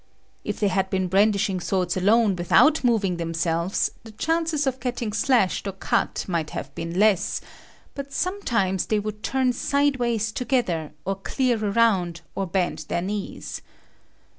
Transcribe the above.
If it had been brandishing swords alone without moving themselves, the chances of getting slashed or cut might have been less, but sometimes they would turn sideways together, or clear around, or bend their knees.